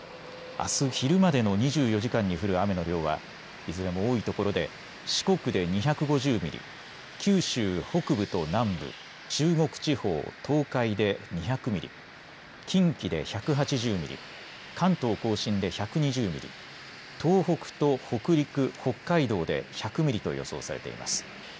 あす昼までの２４時間に降る雨の量はいずれも多いところで四国で２５０ミリ、九州北部と南部、中国地方、東海で２００ミリ、近畿で１８０ミリ、関東甲信で１２０ミリ、東北と北陸、北海道で１００ミリと予想されています。